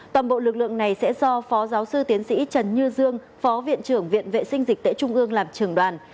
toàn bộ lực lượng này sẽ do phó giáo sư tiến sĩ trần như dương phó viện trưởng viện vệ sinh dịch tễ trung ương làm trưởng đoàn